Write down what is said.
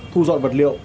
thu dọn vật liệu